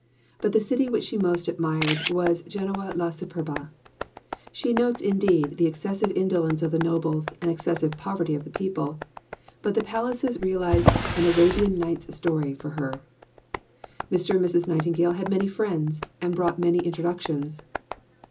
But the city which she most admired was Genoa La Superba. She notes indeed the excessive indolence of the nobles and excessive poverty of the people, but the palaces "realized an Arabian Nights story" for her. Mr. and Mrs. Nightingale had many friends and brought many introductions.